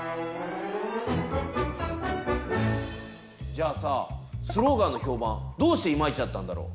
じゃあさスローガンの評判どうしてイマイチだったんだろ？